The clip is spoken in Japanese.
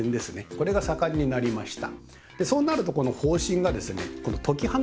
これが盛んになりました。